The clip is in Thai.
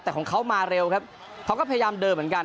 แต่ของเขามาเร็วครับเขาก็พยายามเดินเหมือนกัน